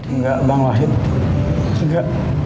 enggak bang wahid juga